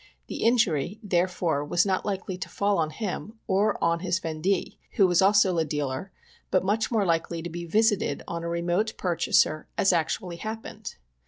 The injury, therefore, was eot likely to fall on him or on his vendee, who was also a dealer, but much more likely to be visited on a remote pur chaser, as actually happened.